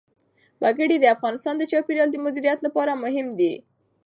وګړي د افغانستان د چاپیریال د مدیریت لپاره مهم دي.